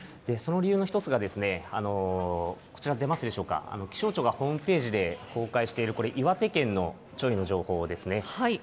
その理由の一つが、こちらに出ますでしょうか、気象庁がホームページで公開している岩手県の潮位の情報ですね。